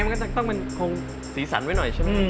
มันคงสีสันไว้หน่อยใช่มั้ย